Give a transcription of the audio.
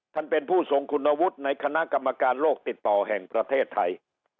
ท่านเป็นผู้ทรงคุณวุฒิในคณะกรรมการโลกติดต่อแห่งประเทศไทย